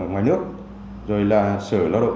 ngoài nước rồi là sở lao động